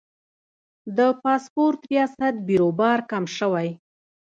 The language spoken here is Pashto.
د پاسپورت ریاست بیروبار کم شوی؟